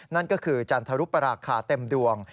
นั่นก็คือจันทรุปราคาเต็มดวง